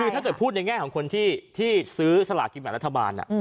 คือถ้าเกิดพูดในแง่ของคนที่ซื้อสลากินแบบรัฐบาล